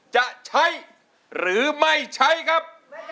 จะใช้หรือไม่ใช้ครับ